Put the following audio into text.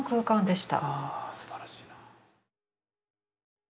あすばらしい。